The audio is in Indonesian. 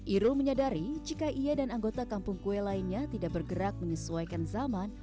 irul menyadari jika ia dan anggota kampung kue lainnya tidak bergerak menyesuaikan zaman